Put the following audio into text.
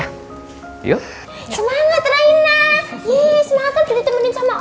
semangat rina semangat untuk ditemani sama oma nanti